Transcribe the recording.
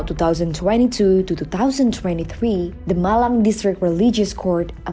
ketua perintah religi malang menerima